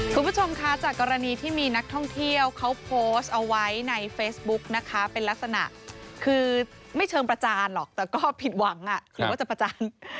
คุณผู้ชมคะจากกรณีที่มีนักท่องเที่ยวเขาโพสต์เอาไว้ในเฟซบุ๊กนะคะเป็นลักษณะคือไม่เชิงประจานหรอกแต่ก็ผิดหวังหรือว่าจะประจาน